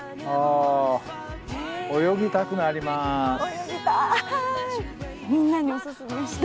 泳ぎたい。